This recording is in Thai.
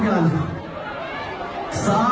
พร้อมกัน